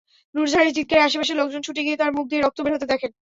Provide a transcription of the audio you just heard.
নুরজাহানের চিৎকারে আশপাশের লোকজন ছুটে গিয়ে তাঁর মুখ দিয়ে রক্ত বের হতে দেখেন।